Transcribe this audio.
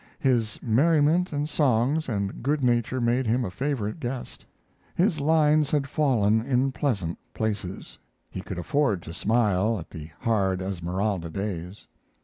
His merriment and songs and good nature made him a favorite guest. His lines had fallen in pleasant places; he could afford to smile at the hard Esmeralda days.